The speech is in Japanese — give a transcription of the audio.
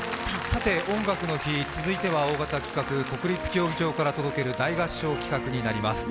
さて、「音楽の日」、続いては大型企画国立競技場から届ける大合唱企画になります。